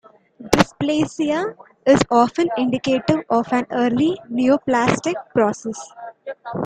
Dysplasia is often indicative of an early neoplastic process.